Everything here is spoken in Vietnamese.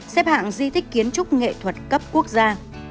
xếp hạng di tích kiến trúc nghệ thuật cấp quốc gia